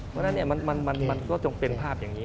เพราะฉะนั้นมันก็จงเป็นภาพอย่างนี้